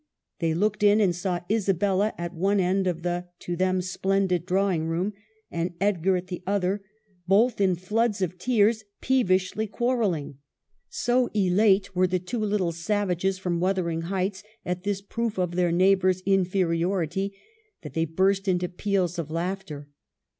They looked in, and saw Isabella at one end of the, to them, splendid drawing room, and Edgar at the other, both in floods of tears, peevishly quarrelling. So elate were the two little savages from Wuthering Heights at this proof of their neighbors' inferi ority, that they burst into peals of laughter.